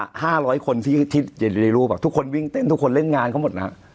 อ่ะห้าร้อยคนที่ที่ได้รู้แบบทุกคนวิ่งเต้นทุกคนเล่นงานเขาหมดน่ะ